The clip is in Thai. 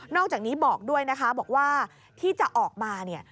อกจากนี้บอกด้วยนะคะบอกว่าที่จะออกมาเนี่ย